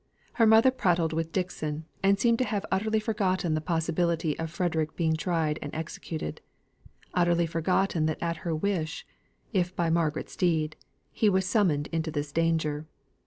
Her mother prattled with Dixon, and seemed to have utterly forgotten the possibility of Frederick being tried and executed utterly forgotten that at her wish, if by Margaret's deed, he was summoned into this danger.